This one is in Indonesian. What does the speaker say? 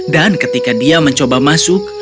dan ketika dia mencoba masuk